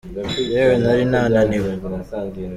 yewe, nari naniwe.